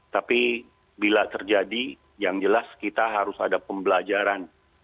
tapi bila terjadi yang jelas kita harus ada pembelajaran